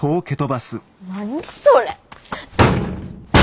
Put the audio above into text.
何それ。